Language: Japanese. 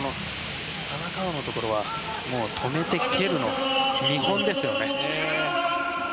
田中碧のところは止めて蹴るの見本ですよね。